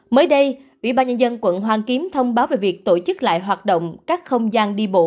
mới đây ủy ban nhân dân quận hoàn kiếm thông báo về việc tổ chức lại hoạt động các không gian đi bộ